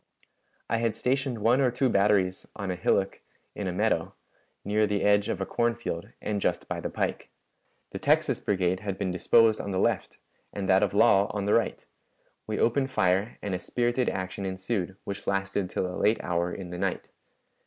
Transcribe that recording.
I had stationed one or two batteries on a hillock in a meadow, near the edge of a corn field, and just by the pike. The Texas Brigade had been disposed on the left, and that of Law on the right. We opened fire, and a spirited action ensued, which lasted till a late hour in the night.